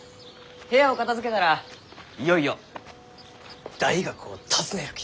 部屋を片づけたらいよいよ大学を訪ねるき。